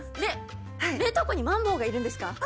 れ冷凍庫にマンボウがいるんですか？